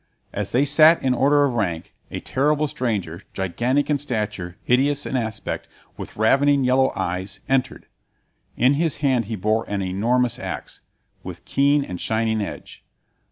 As they sat in order of rank, a terrible stranger, gigantic in stature, hideous of aspect, with ravening yellow eyes, entered. In his hand he bore an enormous axe, with keen and shining edge.